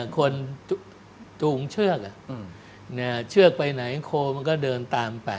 จูงเชือกเชือกไปไหนโคมันก็เดินตามไป